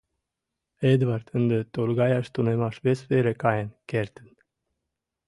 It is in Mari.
Эдвард ынде торгаяш тунемаш вес вере каен кертын.